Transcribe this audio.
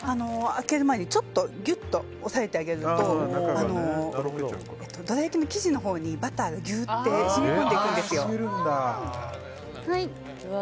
開ける前にちょっとギュッと押さえてあげるとどら焼きの生地のほうにバターがぎゅーって染み込んでいくんですよ。